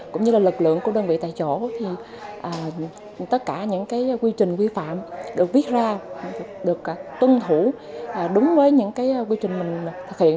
cũng như là lực lượng của đơn vị tại chỗ thì tất cả những quy trình quy phạm được viết ra được tuân thủ đúng với những quy trình mình thực hiện